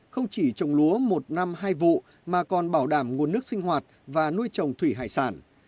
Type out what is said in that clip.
không chỉ trồng lúa một năm hai vụ mà còn bảo đảm nguồn nước sinh hoạt và nuôi trồng thủy hải sản